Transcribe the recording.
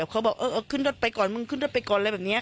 เขาบอกเออเอาขึ้นรถไปก่อนมึงขึ้นรถไปก่อนอะไรแบบนี้